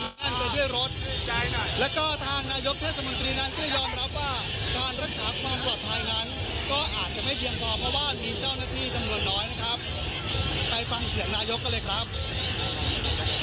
ไปฟังเสียงนายกก็เลยครับ